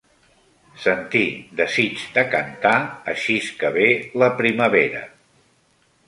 Sentir desitj de cantar axis que ve la primavera